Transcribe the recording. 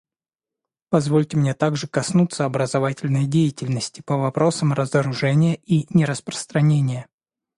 Позвольте мне также коснуться образовательной деятельности по вопросам разоружения и нераспространения.